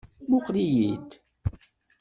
Muqel-iyi-d.